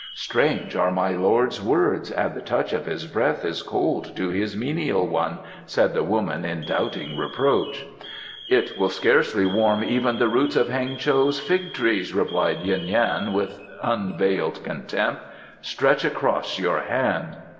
"Strange are my lord's words, and the touch of his breath is cold to his menial one," said the woman in doubting reproach. "It will scarcely warm even the roots of Heng cho's fig trees," replied Yuen Yan with unveiled contempt. "Stretch across your hand."